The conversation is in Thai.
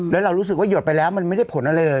แล้วเรารู้สึกว่าหยดไปแล้วมันไม่ได้ผลอะไรเลย